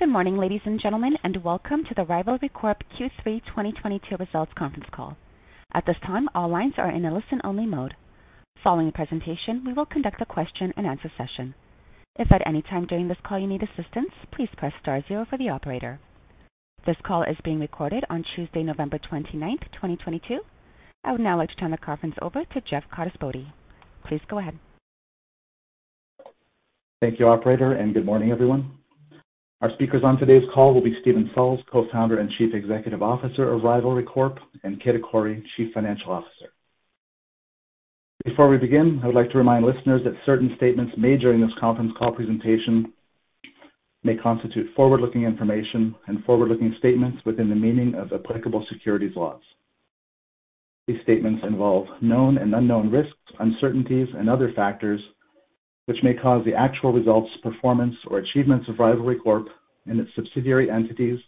Good morning, ladies and gentlemen, and welcome to the Rivalry Corp Q3 2022 Results Conference Call. At this time, all lines are in a listen-only mode. Following the presentation, we will conduct a question-and-answer session. If at any time during this call you need assistance, please press star zero for the operator. This call is being recorded on Tuesday, November 29th, 2022. I would now like to turn the conference over to Jeff Codispodi. Please go ahead. Thank you, Operator. Good morning, everyone. Our speakers on today's call will be Steven Salz, Co-founder and Chief Executive Officer of Rivalry Corp., and Kejda Qorri, Chief Financial Officer. Before we begin, I would like to remind listeners that certain statements made during this conference call presentation may constitute forward-looking information and forward-looking statements within the meaning of applicable securities laws. These statements involve known and unknown risks, uncertainties, and other factors which may cause the actual results, performance, or achievements of Rivalry Corp. and its subsidiary entities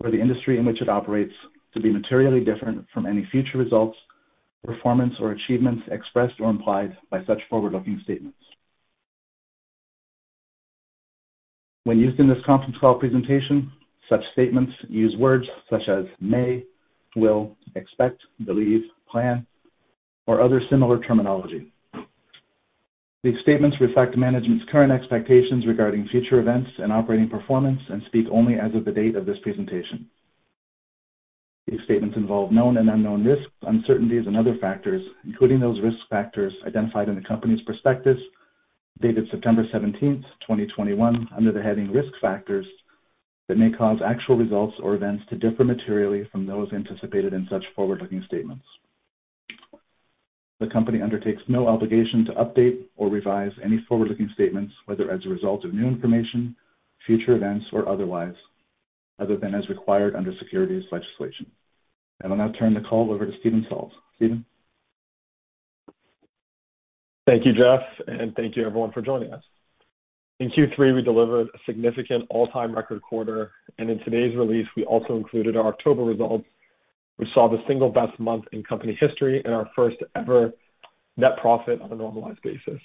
or the industry in which it operates to be materially different from any future results, performance, or achievements expressed or implied by such forward-looking statements. When used in this conference call presentation, such statements use words such as may, will, expect, believe, plan, or other similar terminology. These statements reflect management's current expectations regarding future events and operating performance and speak only as of the date of this presentation. These statements involve known and unknown risks, uncertainties, and other factors, including those risk factors identified in the company's prospectus, dated September 17th, 2021, under the heading Risk Factors, that may cause actual results or events to differ materially from those anticipated in such forward-looking statements. The company undertakes no obligation to update or revise any forward-looking statements, whether as a result of new information, future events, or otherwise, other than as required under securities legislation. I will now turn the call over to Steven Salz. Steven? Thank you, Jeff. Thank you everyone for joining us. In Q3, we delivered a significant all-time record quarter, and in today's release, we also included our October results, which saw the single best month in company history and our first-ever net profit on a normalized basis.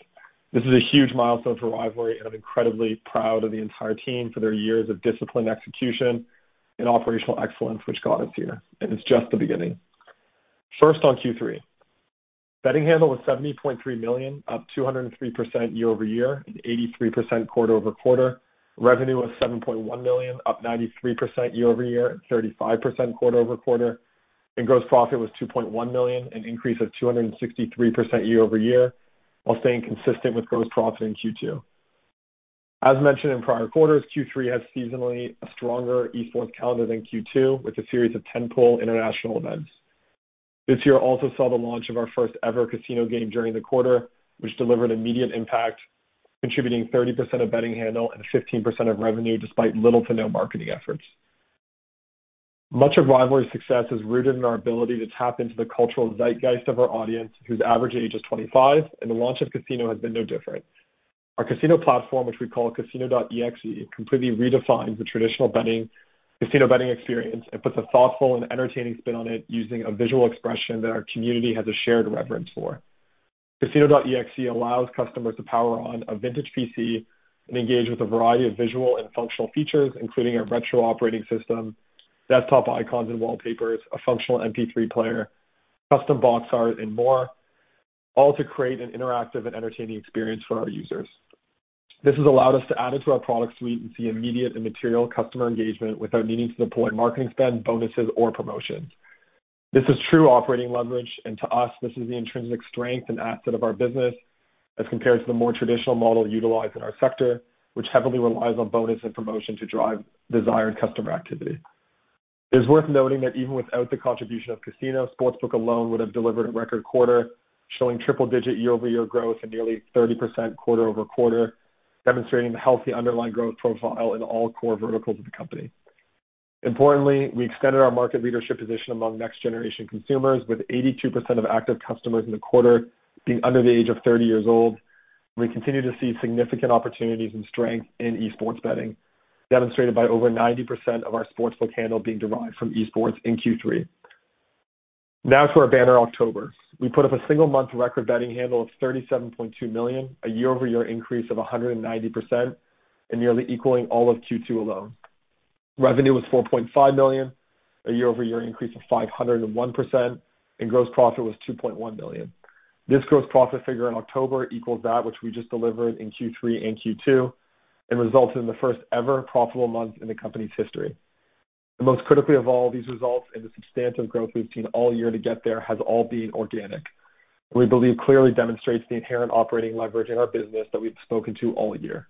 This is a huge milestone for Rivalry, and I'm incredibly proud of the entire team for their years of disciplined execution and operational excellence, which got us here, and it's just the beginning. First on Q3. Betting handle was 70.3 million, up 203% year-over-year and 83% quarter-over-quarter. Revenue was 7.1 million, up 93% year-over-year and 35% quarter-over-quarter. Gross profit was 2.1 million, an increase of 263% year-over-year, while staying consistent with gross profit in Q2. As mentioned in prior quarters, Q3 has seasonally a stronger esports calendar than Q2, with a series of tentpole international events. This year also saw the launch of our first-ever casino game during the quarter, which delivered immediate impact, contributing 30% of betting handle and 15% of revenue despite little to no marketing efforts. Much of Rivalry's success is rooted in our ability to tap into the cultural zeitgeist of our audience, whose average age is 25, and the launch of casino has been no different. Our casino platform, which we call Casino.exe, completely redefines the traditional casino betting experience and puts a thoughtful and entertaining spin on it using a visual expression that our community has a shared reverence for. Casino.exe allows customers to power on a vintage PC and engage with a variety of visual and functional features, including our retro operating system, desktop icons and wallpapers, a functional MP3 player, custom box art, and more, all to create an interactive and entertaining experience for our users. This has allowed us to add it to our product suite and see immediate and material customer engagement without needing to deploy marketing spend, bonuses, or promotions. This is true operating leverage, and to us, this is the intrinsic strength and asset of our business as compared to the more traditional model utilized in our sector, which heavily relies on bonus and promotion to drive desired customer activity. It is worth noting that even without the contribution of casino, sportsbook alone would have delivered a record quarter, showing triple-digit year-over-year growth and nearly 30% quarter-over-quarter, demonstrating the healthy underlying growth profile in all core verticals of the company. Importantly, we extended our market leadership position among next-generation consumers, with 82% of active customers in the quarter being under the age of 30 years old. We continue to see significant opportunities and strength in esports betting, demonstrated by over 90% of our sportsbook handle being derived from esports in Q3. To our banner October. We put up a single-month record betting handle of 37.2 million, a year-over-year increase of 190% and nearly equaling all of Q2 alone. Revenue was $4.5 million, a year-over-year increase of 501%, and gross profit was $2.1 million. This gross profit figure in October equals that which we just delivered in Q3 and Q2 and resulted in the first-ever profitable month in the company's history. Most critically of all, these results and the substantive growth we've seen all year to get there has all been organic. We believe clearly demonstrates the inherent operating leverage in our business that we've spoken to all year.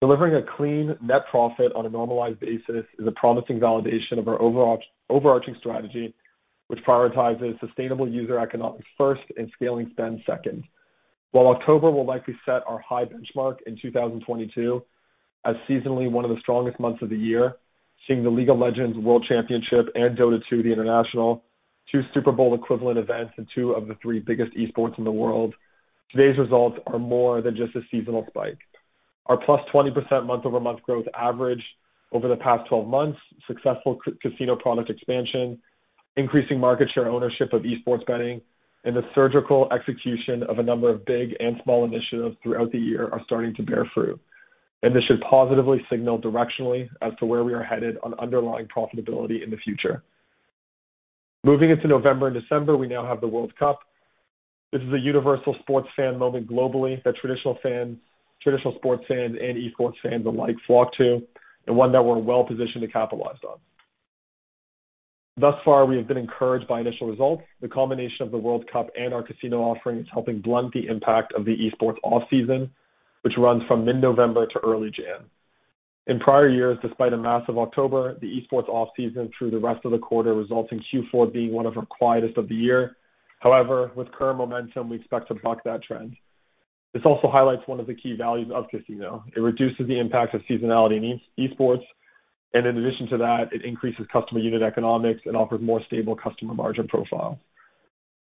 Delivering a clean net profit on a normalized basis is a promising validation of our overarching strategy, which prioritizes sustainable user economics first and scaling spend second. While October will likely set our high benchmark in 2022 as seasonally one of the strongest months of the year, seeing The League of Legends World Championship and Dota 2, The International, two Super Bowl equivalent events and two of the three biggest esports in the world, today's results are more than just a seasonal spike. Our +20% month-over-month growth average over the past 12 months, successful Casino.exe product expansion, increasing market share ownership of esports betting and the surgical execution of a number of big and small initiatives throughout the year are starting to bear fruit, this should positively signal directionally as to where we are headed on underlying profitability in the future. Moving into November and December, we now have the World Cup. This is a universal sports fan moment globally that traditional fans, traditional sports fans and esports fans alike flock to, and one that we're well-positioned to capitalize on. Thus far, we have been encouraged by initial results. The combination of the World Cup and our casino offering is helping blunt the impact of the esports off-season, which runs from mid-November to early January. In prior years, despite a massive October, the esports off-season through the rest of the quarter results in Q4 being one of our quietest of the year. However, with current momentum, we expect to buck that trend. This also highlights one of the key values of casino. It reduces the impact of seasonality in esports, and in addition to that, it increases customer unit economics and offers more stable customer margin profile.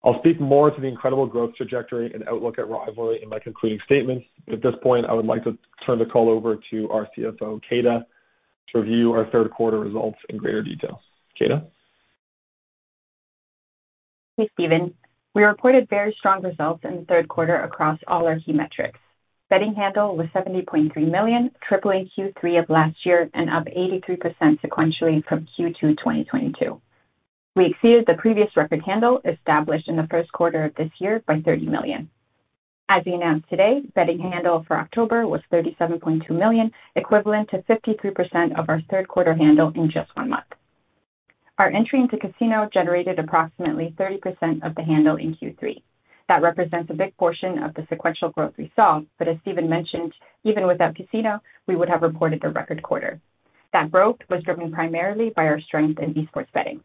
I'll speak more to the incredible growth trajectory and outlook at Rivalry in my concluding statements, but at this point I would like to turn the call over to our CFO, Kejda, to review our third quarter results in greater detail. Kejda? Thanks, Steven. We reported very strong results in the third quarter across all our key metrics. Betting handle was $70.3 million, tripling Q3 of last year and up 83% sequentially from Q2, 2022. We exceeded the previous record handle established in the first quarter of this year by $30 million. As we announced today, betting handle for October was $37.2 million, equivalent to 53% of our third quarter handle in just one month. Our entry into casino generated approximately 30% of the handle in Q3. That represents a big portion of the sequential growth we saw. As Stephen mentioned, even without casino, we would have reported a record quarter. That growth was driven primarily by our strength in esports betting.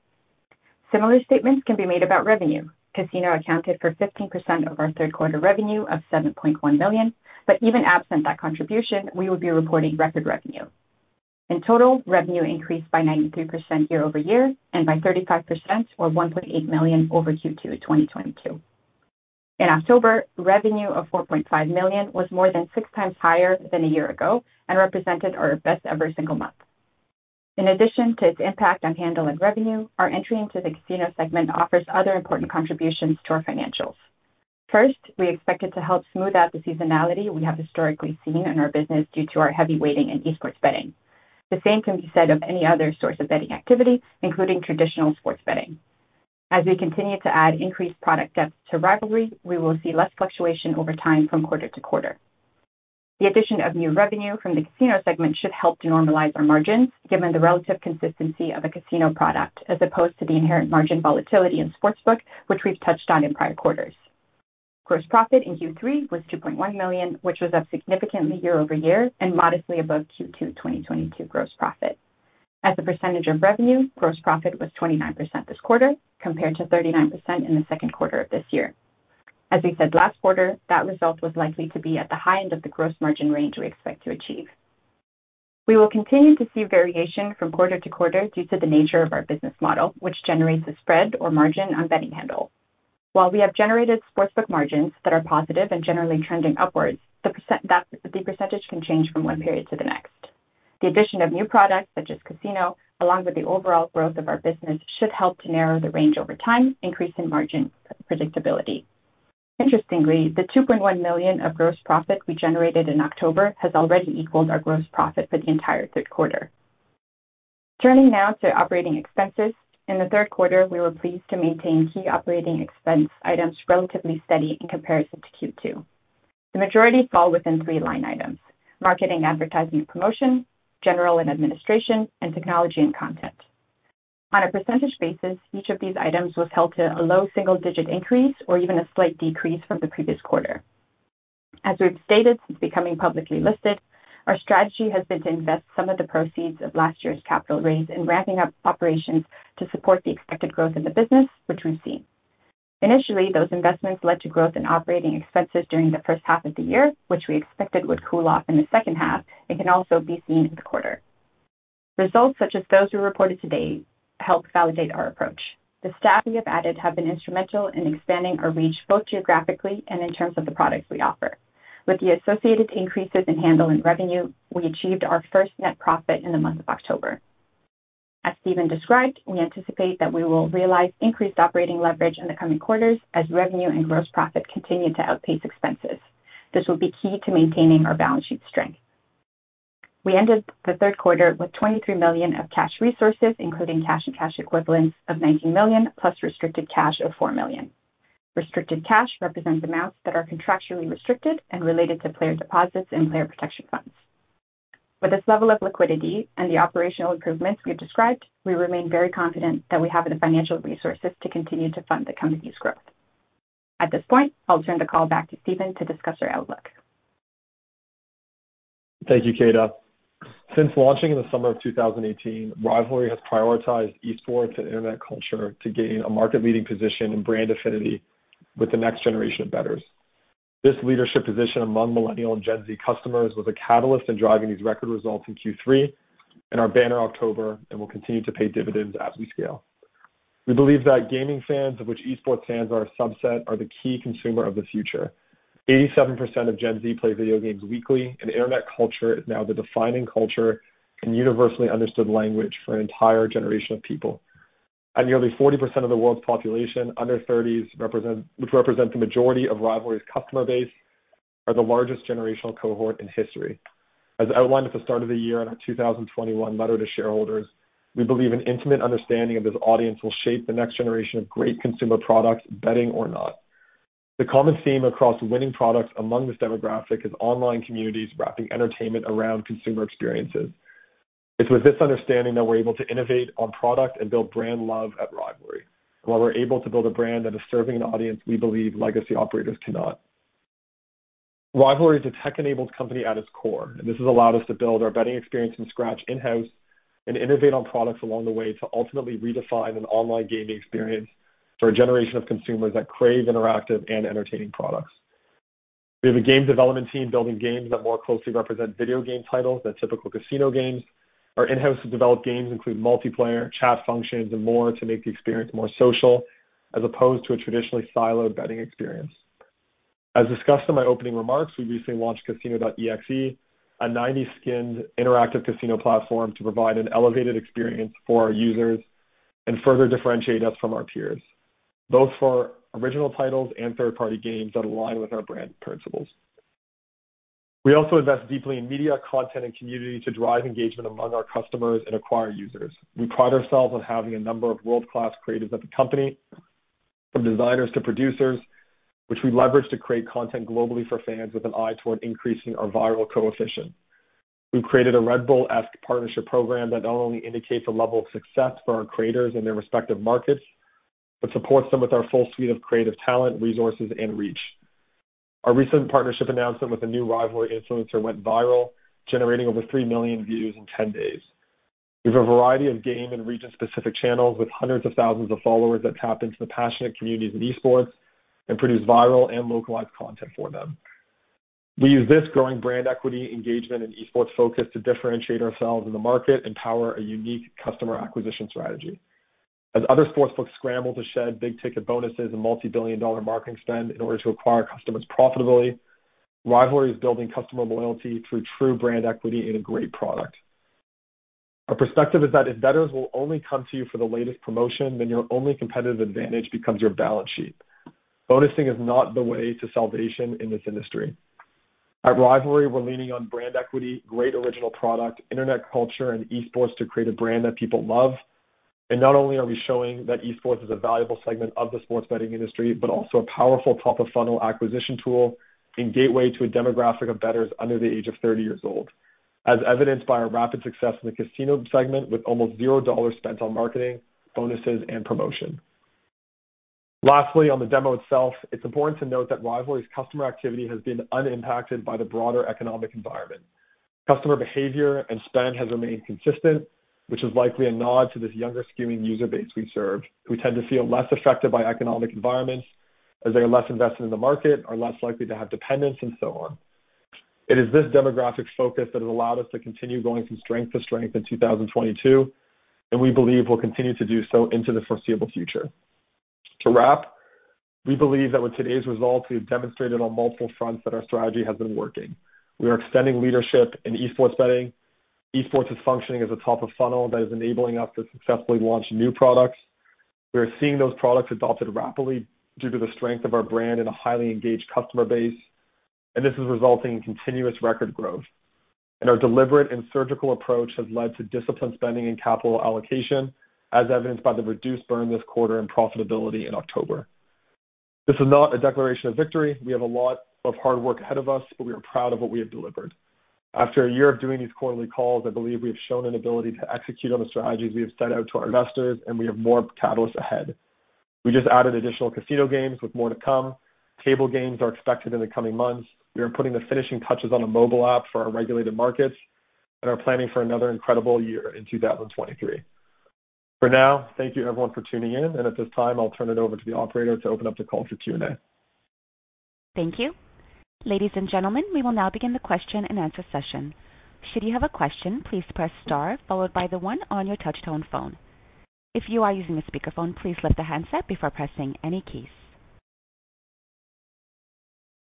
Similar statements can be made about revenue. Casino accounted for 15% of our third quarter revenue of $7.1 million. Even absent that contribution, we would be reporting record revenue. In total, revenue increased by 93% year-over-year and by 35% or $1.8 million over Q2 2022. In October, revenue of $4.5 million was more than six times higher than a year ago and represented our best ever single month. In addition to its impact on handle and revenue, our entry into the casino segment offers other important contributions to our financials. First, we expect it to help smooth out the seasonality we have historically seen in our business due to our heavy weighting in esports betting. The same can be said of any other source of betting activity, including traditional sports betting. As we continue to add increased product depth to Rivalry, we will see less fluctuation over time from quarter-to-quarter. The addition of new revenue from the casino segment should help to normalize our margin, given the relative consistency of a casino product as opposed to the inherent margin volatility in Sportsbook, which we've touched on in prior quarters. Gross profit in Q3 was 2.1 million, which was up significantly year-over-year and modestly above Q2 2022 gross profit. As a percentage of revenue, gross profit was 29% this quarter, compared to 39% in the second quarter of this year. As we said last quarter, that result was likely to be at the high end of the gross margin range we expect to achieve. We will continue to see variation from quarter-to-quarter due to the nature of our business model, which generates a spread or margin on betting handle. While we have generated Sportsbook margins that are positive and generally trending upwards, the percentage can change from one period to the next. The addition of new products such as casino, along with the overall growth of our business, should help to narrow the range over time, increasing margin predictability. Interestingly, the 2.1 million of gross profit we generated in October has already equaled our gross profit for the entire third quarter. Turning now to operating expenses. In the third quarter, we were pleased to maintain key operating expense items relatively steady in comparison to Q2. The majority fall within three line items: Marketing, Advertising, and Promotion, General and Administration, and Technology and Content. On a percentage basis, each of these items was held to a low single-digit increase or even a slight decrease from the previous quarter. As we've stated, since becoming publicly listed, our strategy has been to invest some of the proceeds of last year's capital raise in ramping up operations to support the expected growth in the business, which we've seen. Initially, those investments led to growth in operating expenses during the first-half of the year, which we expected would cool off in the second-half and can also be seen in the quarter. Results such as those we reported today help validate our approach. The staff we have added have been instrumental in expanding our reach both geographically and in terms of the products we offer. With the associated increases in handle and revenue, we achieved our first net profit in the month of October. As Steven described, we anticipate that we will realize increased operating leverage in the coming quarters as revenue and gross profit continue to outpace expenses. This will be key to maintaining our balance sheet strength. We ended the third quarter with 23 million of cash resources, including cash and cash equivalents of 19 million, plus restricted cash of 4 million. Restricted cash represents amounts that are contractually restricted and related to player deposits and player protection funds. With this level of liquidity and the operational improvements we've described, we remain very confident that we have the financial resources to continue to fund the company's growth. At this point, I'll turn the call back to Steven to discuss our outlook. Thank you, Kejda. Since launching in the summer of 2018, Rivalry has prioritized esports and internet culture to gain a market-leading position and brand affinity with the next generation of bettors. This leadership position among Millennial and Gen Z customers was a catalyst in driving these record results in Q3 and our banner October, and will continue to pay dividends as we scale. We believe that gaming fans, of which esports fans are a subset, are the key consumer of the future. 87% of Gen Z play video games weekly, and internet culture is now the defining culture and universally understood language for an entire generation of people. Nearly 40% of the world's population under 30s, which represent the majority of Rivalry's customer base, are the largest generational cohort in history. As outlined at the start of the year in our 2021 letter to shareholders, we believe an intimate understanding of this audience will shape the next generation of great consumer products, betting or not. The common theme across winning products among this demographic is online communities wrapping entertainment around consumer experiences. It's with this understanding that we're able to innovate on product and build brand love at Rivalry. While we're able to build a brand that is serving an audience we believe legacy operators cannot. Rivalry is a tech-enabled company at its core, and this has allowed us to build our betting experience from scratch in-house and innovate on products along the way to ultimately redefine an online gaming experience for a generation of consumers that crave interactive and entertaining products. We have a game development team building games that more closely represent video game titles than typical casino games. Our in-house developed games include multiplayer, chat functions and more to make the experience more social, as opposed to a traditionally siloed betting experience. As discussed in my opening remarks, we recently launched Casino.exe, a 90s-skinned interactive casino platform to provide an elevated experience for our users and further differentiate us from our peers, both for original titles and third-party games that align with our brand principles. We also invest deeply in media, content and community to drive engagement among our customers and acquire users. We pride ourselves on having a number of world-class creatives at the company, from designers to producers, which we leverage to create content globally for fans with an eye toward increasing our viral coefficient. We've created a Red Bull-esque partnership program that not only indicates a level of success for our creators in their respective markets, but supports them with our full suite of creative talent, resources and reach. Our recent partnership announcement with a new Rivalry influencer went viral, generating over three million views in 10 days. We have a variety of game and region-specific channels with hundreds of thousands of followers that tap into the passionate communities in esports and produce viral and localized content for them. We use this growing brand equity engagement and esports focus to differentiate ourselves in the market and power a unique customer acquisition strategy. As other sportsbooks scramble to shed big-ticket bonuses and multi-billion-dollar marketing spend in order to acquire customers profitability, Rivalry is building customer loyalty through true brand equity and a great product. Our perspective is that if bettors will only come to you for the latest promotion, then your only competitive advantage becomes your balance sheet. Bonusing is not the way to salvation in this industry. At Rivalry, we're leaning on brand equity, great original product, internet culture, and esports to create a brand that people love. Not only are we showing that esports is a valuable segment of the sports betting industry, but also a powerful top-of-funnel acquisition tool and gateway to a demographic of bettors under the age of 30 years old, as evidenced by our rapid success in the casino segment with almost $0 spent on marketing, bonuses, and promotion. Lastly, on the demo itself, it's important to note that Rivalry's customer activity has been unimpacted by the broader economic environment. Customer behavior and spend has remained consistent, which is likely a nod to this younger-skewing user base we serve, who tend to feel less affected by economic environments as they are less invested in the market, are less likely to have dependents, and so on. It is this demographic focus that has allowed us to continue going from strength to strength in 2022. We believe we'll continue to do so into the foreseeable future. To wrap, we believe that with today's results, we have demonstrated on multiple fronts that our strategy has been working. We are extending leadership in esports betting. Esports is functioning as a top of funnel that is enabling us to successfully launch new products. We are seeing those products adopted rapidly due to the strength of our brand and a highly engaged customer base. This is resulting in continuous record growth. Our deliberate and surgical approach has led to disciplined spending and capital allocation, as evidenced by the reduced burn this quarter and profitability in October. This is not a declaration of victory. We have a lot of hard work ahead of us, but we are proud of what we have delivered. After a year of doing these quarterly calls, I believe we have shown an ability to execute on the strategies we have set out to our investors, and we have more catalysts ahead. We just added additional casino games with more to come. Table games are expected in the coming months. We are putting the finishing touches on a mobile app for our regulated markets and are planning for another incredible year in 2023. For now, thank you everyone for tuning in, and at this time I'll turn it over to the operator to open up the call to Q&A. Thank you. Ladies and gentlemen, we will now begin the question and answer session. Should you have a question, please press star followed by the one on your touch tone phone. If you are using a speakerphone, please lift the handset before pressing any keys.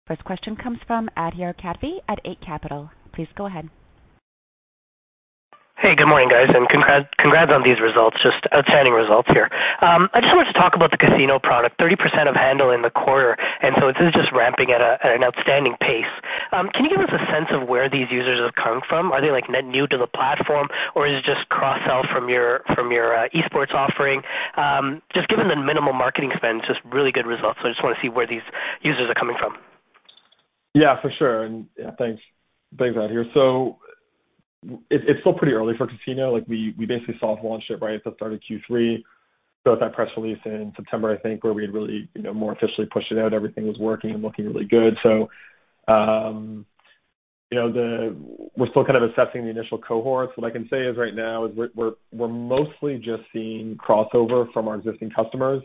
First question comes from Adhir Kadve at Eight Capital. Please go ahead. Hey, good morning, guys, and congrats on these results. Just outstanding results here. I just wanted to talk about the casino product, 30% of handle in the quarter, this is just ramping at an outstanding pace. Can you give us a sense of where these users have come from? Are they, like, net new to the platform, or is it just cross-sell from your esports offering? Just given the minimal marketing spend, just really good results. I just wanna see where these users are coming from. Yeah, for sure. Yeah, thanks. Thanks, Adhir. It, it's still pretty early for casino. Like, we basically soft launched it right at the start of Q3. At that press release in September, I think, where we had really, you know, more officially pushed it out, everything was working and looking really good. You know, we're still kind of assessing the initial cohorts. What I can say is right now is we're mostly just seeing crossover from our existing customers.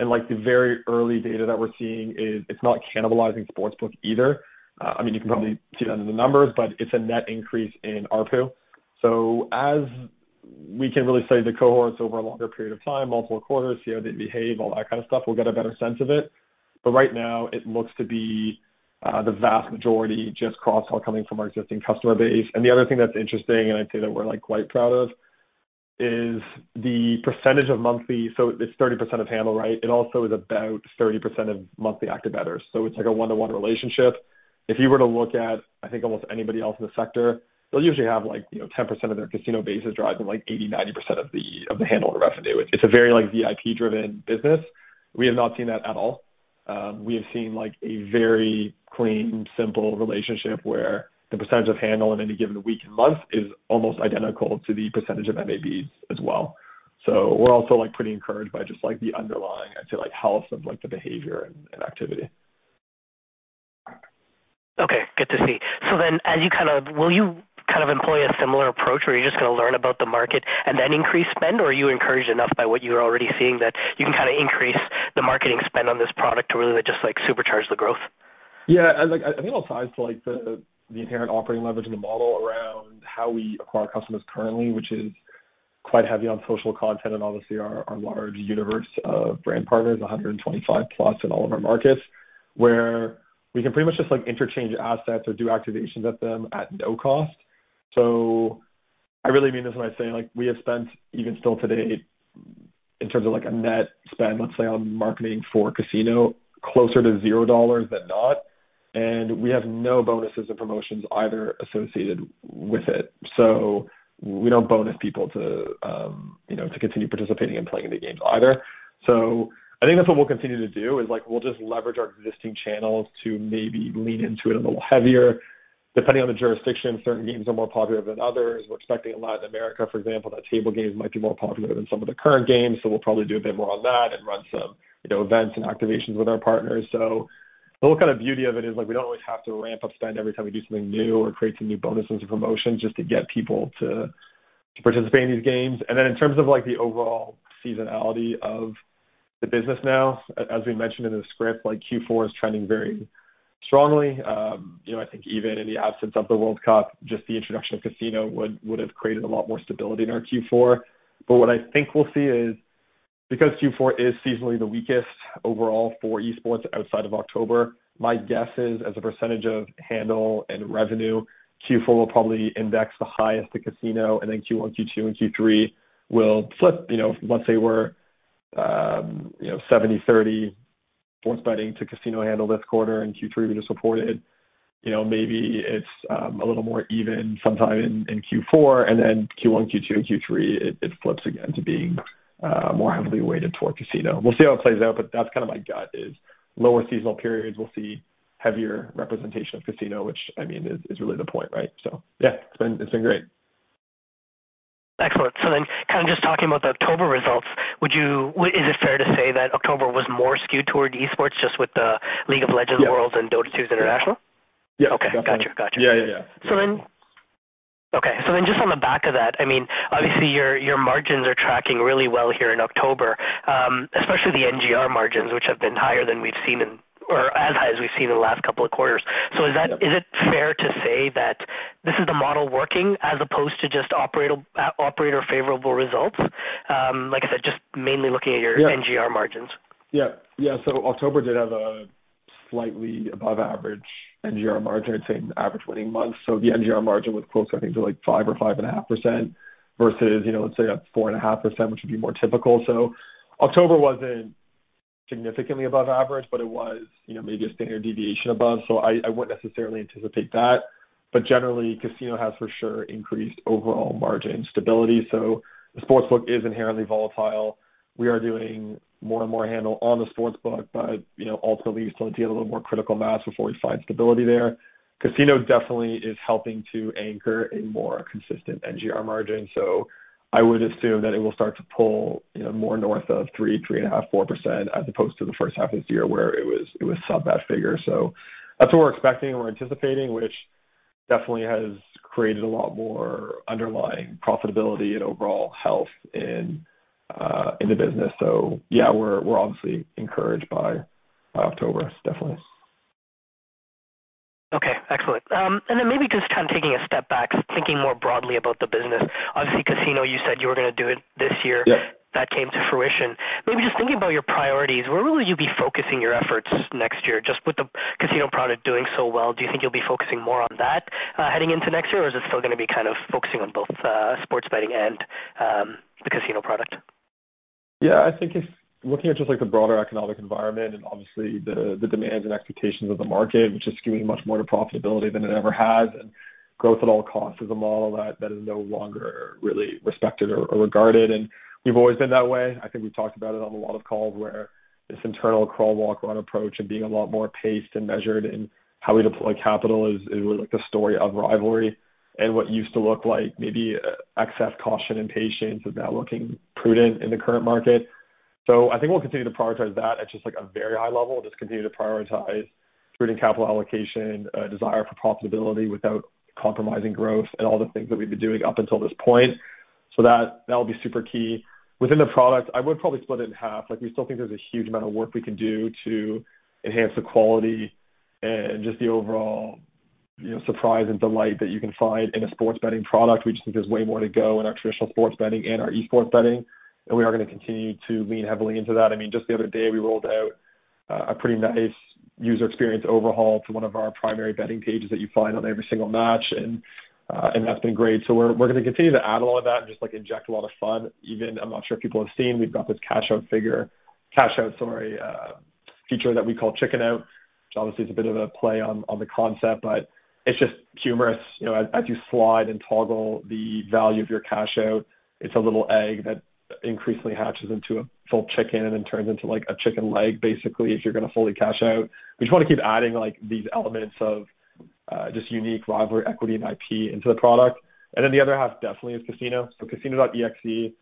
Like the very early data that we're seeing is it's not cannibalizing Sportsbook either. I mean, you can probably see that in the numbers, but it's a net increase in ARPU. We can really study the cohorts over a longer period of time, multiple quarters, see how they behave, all that kind of stuff. We'll get a better sense of it. Right now it looks to be the vast majority just cross-sell coming from our existing customer base. The other thing that's interesting, and I'd say that we're like quite proud of, is the percentage of monthly—so it's 30% of handle, right? It also is about 30% of monthly active bettors. It's like a one-to-one relationship. If you were to look at, I think almost anybody else in the sector, they'll usually have like, you know, 10% of their casino base is driving like 80%-90% of the handle and revenue. It's a very, like VIP driven business. We have not seen that at all. We have seen like a very clean, simple relationship where the percentage of handle in any given week and month is almost identical to the percentage of MABs as well. We're also like, pretty encouraged by just like the underlying, I'd say, like health of like the behavior and activity. Okay, good to see. As you kind of, will you kind of employ a similar approach or are you just gonna learn about the market and then increase spend? Or are you encouraged enough by what you're already seeing that you can kinda increase the marketing spend on this product to really just like supercharge the growth? Yeah. Like I think I'll tie it to like the inherent operating leverage in the model around how we acquire customers currently, which is quite heavy on social content and obviously our large universe of brand partners, 125 plus in all of our markets, where we can pretty much just like interchange assets or do activations at them at no cost. I really mean this when I say like we have spent even still today in terms of like a net spend, let's say on marketing for Casino, closer to zero dollars than not, and we have no bonuses or promotions either associated with it. We don't bonus people to, you know, to continue participating and playing the games either. I think that's what we'll continue to do, is like we'll just leverage our existing channels to maybe lean into it a little heavier. Depending on the jurisdiction, certain games are more popular than others. We're expecting a lot in America, for example, that table games might be more popular than some of the current games. We'll probably do a bit more on that and run some, you know, events and activations with our partners. The whole kind of beauty of it is like we don't always have to ramp up spend every time we do something new or create some new bonuses and promotions just to get people to participate in these games. In terms of like the overall seasonality of the business now, as we mentioned in the script, like Q4 is trending very strongly. You know, I think even in the absence of the World Cup, just the introduction of Casino would've created a lot more stability in our Q4. What I think we'll see is because Q4 is seasonally the weakest overall for esports outside of October, my guess is as a percentage of handle and revenue, Q4 will probably index the highest to casino and then Q1, Q2 and Q3 will flip. You know, let's say we're, you know, 70/30 sports betting to casino handle this quarter in Q3 we just reported. You know, maybe it's a little more even sometime in Q4 and then Q1, Q2, Q3 it flips again to being more heavily weighted toward casino. We'll see how it plays out. That's kind of my gut, is lower seasonal periods we'll see heavier representation of casino, which I mean is really the point, right? Yeah, it's been great. Excellent. kind of just talking about the October results, is it fair to say that October was more skewed toward esports just with the League of Legends World and Dota 2's International? Yeah. Okay. Gotcha. Yeah. Yeah. Okay. Just on the back of that, I mean, obviously your margins are tracking really well here in October, especially the NGR margins, which have been higher than we've seen in or as high as we've seen in the last couple of quarters. Is it fair to say that this is the model working as opposed to just operator favorable results? Like I said, just mainly looking at NGR margins. October did have a slightly above average NGR margin, I'd say average winning months. The NGR margin was closer I think to like 5% or 5.5% versus, you know, let's say a 4.5%, which would be more typical. October wasn't significantly above average, but it was, you know, maybe a standard deviation above. I wouldn't necessarily anticipate that. Generally Casino has for sure increased overall margin stability. The Sportsbook is inherently volatile. We are doing more and more handle on the Sportsbook, but you know, ultimately we still need to get a little more critical mass before we find stability there. Casino definitely is helping to anchor a more consistent NGR margin. I would assume that it will start to pull, you know, more north of 3.5%-4% as opposed to the first-half of this year where it was sub that figure. That's what we're expecting and we're anticipating, which definitely has created a lot more underlying profitability and overall health in the business. Yeah, we're obviously encouraged by October definitely. Okay, excellent. Then maybe just kind of taking a step back, thinking more broadly about the business. Obviously casino, you said you were gonna do it this year. Yeah. That came to fruition. Maybe just thinking about your priorities, where will you be focusing your efforts next year? Just with the casino product doing so well, do you think you'll be focusing more on that, heading into next year? Is it still gonna be kind of focusing on both, sports betting and, the casino product? Yeah, I think it's looking at just like the broader economic environment and obviously the demands and expectations of the market, which is skewing much more to profitability than it ever has. Growth at all costs is a model that is no longer really respected or regarded, and we've always been that way. I think we've talked about it on a lot of calls where this internal crawl, walk, run approach and being a lot more paced and measured in how we deploy capital is really like the story of Rivalry and what used to look like maybe excess caution and patience is now looking prudent in the current market. I think we'll continue to prioritize that at just like a very high level, just continue to prioritize prudent capital allocation, desire for profitability without compromising growth and all the things that we've been doing up until this point. That will be super key. Within the product, I would probably split it in half. We still think there's a huge amount of work we can do to enhance the quality and just the overall, you know, surprise and delight that you can find in a sports betting product. We just think there's way more to go in our traditional sports betting and our esports betting, and we are gonna continue to lean heavily into that. I mean, just the other day, we rolled out a pretty nice user experience overhaul to one of our primary betting pages that you find on every single match. That's been great. We're gonna continue to add a lot of that and just, like, inject a lot of fun. Even I'm not sure if people have seen, we've got this cash out, sorry, feature that we call Chicken Out, which obviously is a bit of a play on the concept, but it's just humorous. You know, as you slide and toggle the value of your cash out, it's a little egg that increasingly hatches into a full chicken and then turns into, like, a chicken leg, basically, if you're gonna fully cash out. We just wanna keep adding, like, these elements of just unique Rivalry, equity and IP into the product. The other half definitely is Casino. Casino.exe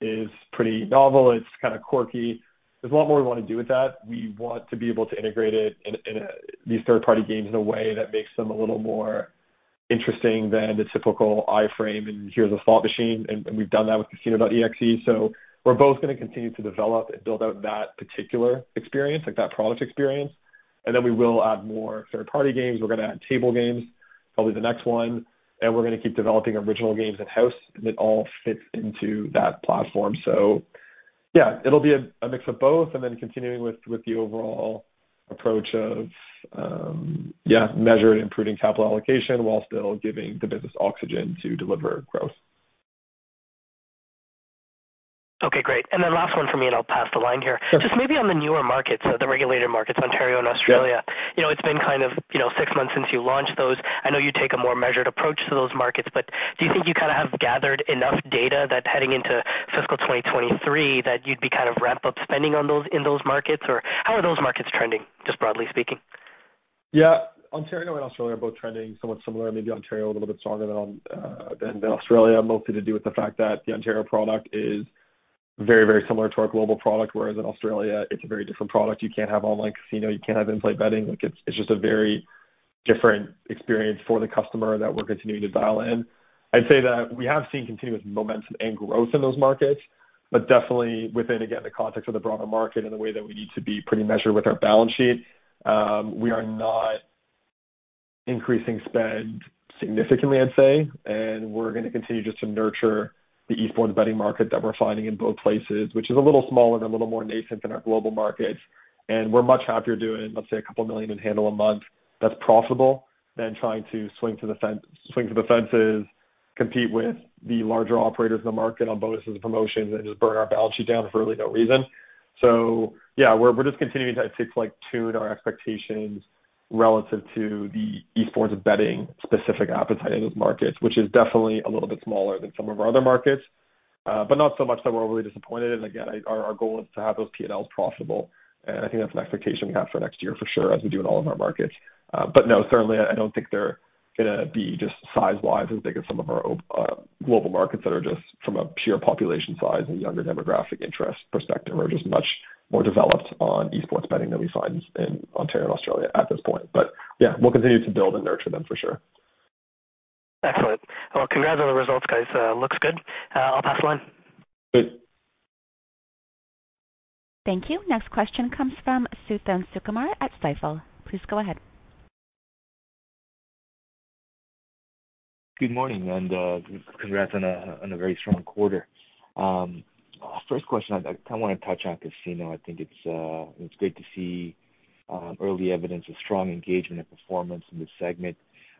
is pretty novel. It's kinda quirky. There's a lot more we wanna do with that. We want to be able to integrate it in these third-party games in a way that makes them a little more interesting than the typical iframe, and here's a slot machine, and we've done that with Casino.exe. We're both gonna continue to develop and build out that particular experience, like that product experience. Then we will add more third-party games. We're gonna add table games, probably the next one, and we're gonna keep developing original games in-house, and it all fits into that platform. Yeah, it'll be a mix of both, and then continuing with the overall approach of, yeah, measuring and improving capital allocation while still giving the business oxygen to deliver growth. Okay, great. Last one from me, and I'll pass the line here. Sure. Just maybe on the newer markets, the regulated markets, Ontario and Australia. You know, it's been kind of, you know, six months since you launched those. I know you take a more measured approach to those markets, do you think you kinda have gathered enough data that heading into fiscal 2023 that you'd be kind of ramp-up spending on those in those markets? Or how are those markets trending, just broadly speaking? Ontario and Australia are both trending somewhat similar. Maybe Ontario a little bit stronger than Australia, mostly to do with the fact that the Ontario product is very similar to our global product, whereas in Australia it's a very different product. You can't have online casino. You can't have in-play betting. Like it's just a very different experience for the customer that we're continuing to dial in. I'd say that we have seen continuous momentum and growth in those markets, but definitely within, again, the context of the broader market and the way that we need to be pretty measured with our balance sheet. We are not increasing spend significantly, I'd say. We're gonna continue just to nurture the esports betting market that we're finding in both places, which is a little smaller and a little more nascent than our global markets. We're much happier doing, let's say, a couple of million in handle a month that's profitable, than trying to swing for the fences, compete with the larger operators in the market on bonuses and promotions, and just burn our balance sheet down for really no reason. Yeah, we're just continuing to, I'd say, like, tune our expectations relative to the esports betting specific appetite in those markets, which is definitely a little bit smaller than some of our other markets, but not so much that we're really disappointed. Again, our goal is to have those P&Ls profitable, and I think that's an expectation we have for next year for sure as we do in all of our markets. No, certainly I don't think they're gonna be just size-wise as big as some of our global markets that are just from a pure population size and younger demographic interest perspective are just much more developed on esports betting than we find in Ontario and Australia at this point. Yeah, we'll continue to build and nurture them for sure. Excellent. Well, congrats on the results, guys. Looks good. I'll pass the line. Great. Thank you. Next question comes from Suthan Sukumar at Stifel. Please go ahead. Good morning, congrats on a very strong quarter. First question, I kinda wanna touch on casino. I think it's great to see early evidence of strong engagement and performance in this segment.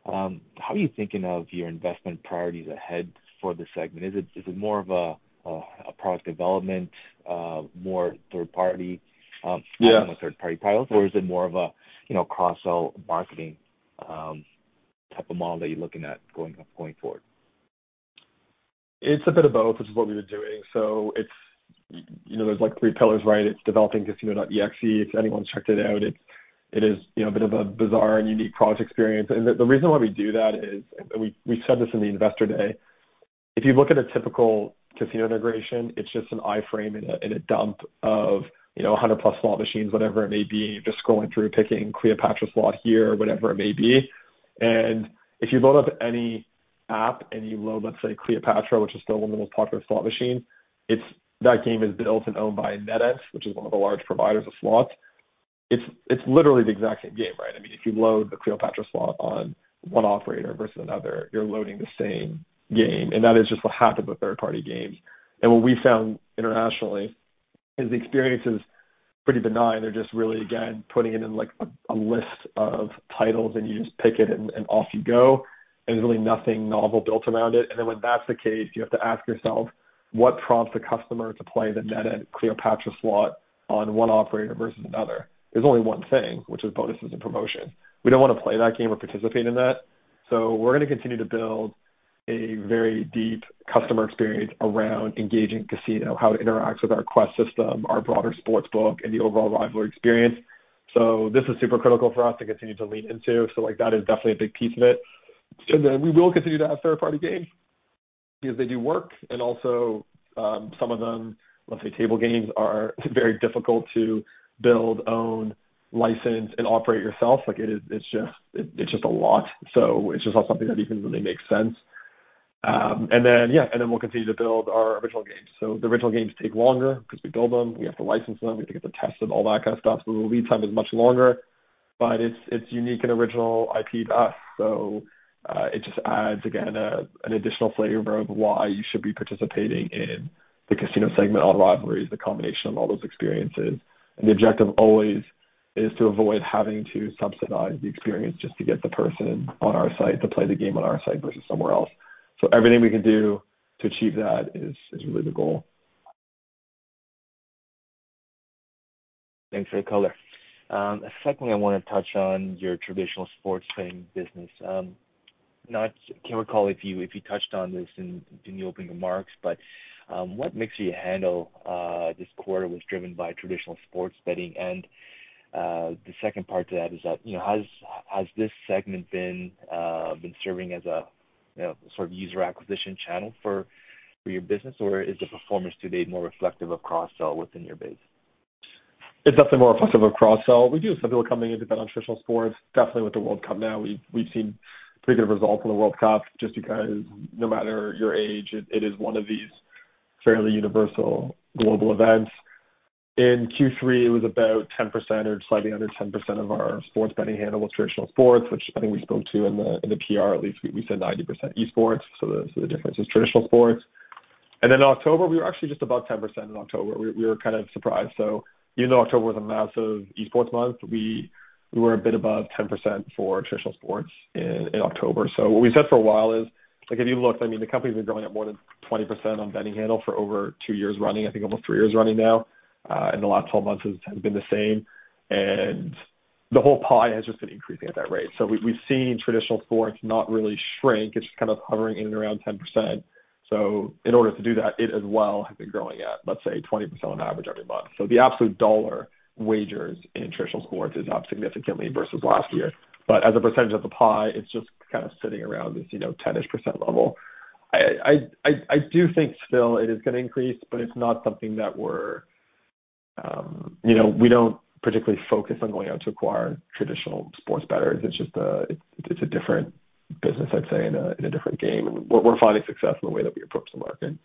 How are you thinking of your investment priorities ahead for the segment? Is it more of a product development, more third party? Yeah. -third party pilots? Is it more of a, you know, cross-sell marketing, type of model that you're looking at going forward? It's a bit of both, which is what we've been doing. You know, there's like three pillars, right? It's developing Casino.exe. If anyone's checked it out, it is, you know, a bit of a bizarre and unique product experience. The reason why we do that is, and we said this in the Investor Day. If you look at a typical casino integration, it's just an iframe and a dump of, you know, 100+ slot machines, whatever it may be. You're just scrolling through, picking Cleopatra slot here, whatever it may be. If you load up any app and you load, let's say, Cleopatra, which is still one of the most popular slot machine. That game is built and owned by NetEnt, which is one of the large providers of slots. It's literally the exact same game, right? I mean, if you load the Cleopatra slot on one operator versus another, you're loading the same game, and that is just what happened with third-party games. What we found internationally is the experience is pretty benign. They're just really, again, putting it in like a list of titles, and you just pick it, and off you go. There's really nothing novel built around it. When that's the case, you have to ask yourself, what prompts the customer to play the NetEnt Cleopatra slot on one operator versus another? There's only one thing, which is bonuses and promotion. We don't wanna play that game or participate in that, so we're gonna continue to build a very deep customer experience around engaging casino, how it interacts with our quest system, our broader Sportsbook, and the overall Rivalry experience. This is super critical for us to continue to lean into. Like, that is definitely a big piece of it. We will continue to have third-party games because they do work and also, some of them, let's say table games, are very difficult to build, own, license, and operate yourself. Like it's just a lot. It's just not something that even really makes sense. We'll continue to build our original games. The original games take longer because we build them, we have to license them, we have to get the tests and all that kind of stuff. The lead time is much longer, but it's unique and original IP to us. It just adds again, an additional flavor of why you should be participating in the casino segment on Rivalry is the combination of all those experiences. The objective always is to avoid having to subsidize the experience just to get the person on our site to play the game on our site versus somewhere else. Everything we can do to achieve that is really the goal. Thanks for the color. Secondly, I wanna touch on your traditional sports betting business. Can't recall if you, if you touched on this in the opening remarks, but, what makes you handle, this quarter was driven by traditional sports betting? The second part to that is that, you know, has this segment been serving as a, you know, sort of user acquisition channel for your business? Or is the performance today more reflective of cross-sell within your base? It's definitely more reflective of cross-sell. We do have some people coming in to bet on traditional sports, definitely with the World Cup now. We've seen pretty good results in the World Cup just because no matter your age, it is one of these fairly universal global events. In Q3, it was about 10% or slightly under 10% of our sports betting handle was traditional sports, which I think we spoke to in the PR at least. We said 90% esports, so the difference is traditional sports. October, we were actually just above 10% in October. We were kind of surprised. Even though October was a massive esports month, we were a bit above 10% for traditional sports in October. What we said for a while is, like if you looked, I mean, the company's been growing at more than 20% on betting handle for over two years running, I think almost three years running now. In the last 12 months it has been the same, and the whole pie has just been increasing at that rate. We've seen traditional sports not really shrink. It's just kind of hovering in and around 10%. In order to do that, it as well has been growing at, let's say, 20% on average every month. The absolute dollar wagers in traditional sports is up significantly versus last year. As a percentage of the pie, it's just kind of sitting around this, you know, 10-ish percent level. I do think still it is gonna increase, but it's not something that we're, you know, we don't particularly focus on going out to acquire traditional sports bettors. It's just a different business, I'd say, in a different game. We're finding success in the way that we approach the market.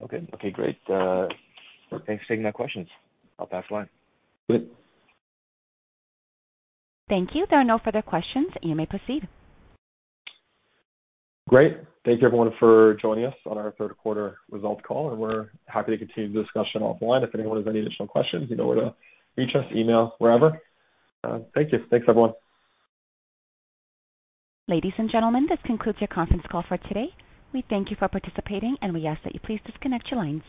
Okay, great. Thanks for taking my questions. I'll pass the line. Great. Thank you. There are no further questions. You may proceed. Great. Thank you everyone for joining us on our third quarter results call. We're happy to continue the discussion offline. If anyone has any additional questions, you know where to reach us, email, wherever. Thank you. Thanks, everyone. Ladies and gentlemen, this concludes your conference call for today. We thank you for participating, and we ask that you please disconnect your lines.